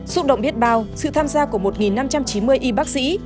xúc động biết bao sự tham gia của một năm trăm chín mươi y bác sĩ